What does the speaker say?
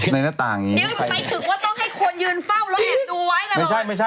นี่คือต้องให้คนยืนเฝ้าระเช็ดดูไว้แน่นอนไม่ใช่